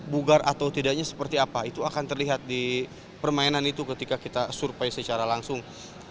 bugar atau tidaknya seperti apa itu akan terlihat di permainan itu ketika kita survei secara langsung